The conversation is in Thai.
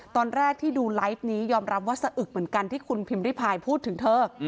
ตอนแรกที่ดูไลฟ์นี้ยอมรับว่าสะอึกเหมือนกันที่คุณพิมพิพายพูดถึงเธอ